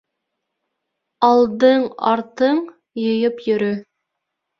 Алдың-артың йыйып йөрө.